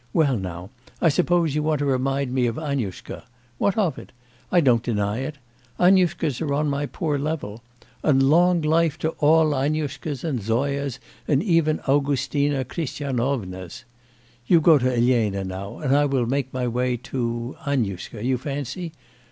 Well, now, I suppose you want to remind me of Annushka. What of it? I don't deny it. Annushkas are on my poor level. And long life to all Annushkas and Zoyas and even Augustina Christianovnas! You go to Elena now, and I will make my way to Annushka, you fancy?